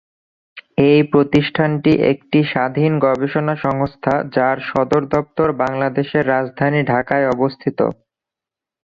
এই প্রতিষ্ঠানটি একটি স্বাধীন গবেষণা সংস্থা যার সদরদপ্তর বাংলাদেশের রাজধানী ঢাকায় অবস্থিত।